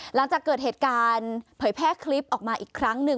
หลังจากเกิดเหตุการณ์เผยแพร่คลิปออกมาอีกครั้งหนึ่ง